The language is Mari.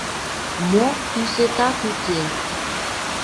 — Мо, тӱсетат уке?